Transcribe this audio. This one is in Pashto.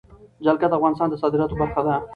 جلګه د افغانستان د صادراتو برخه ده.